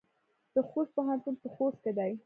د خوست پوهنتون په خوست کې دی